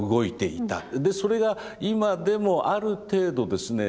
でそれが今でもある程度ですね